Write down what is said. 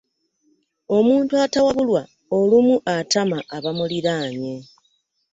Omuntu atawabulwa olumu atama abamuliraanye.